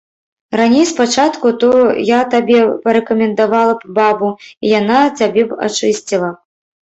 Раней, спачатку, то я табе парэкамендавала б бабу, і яна цябе б ачысціла.